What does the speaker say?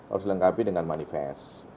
harus dilengkapi dengan manifest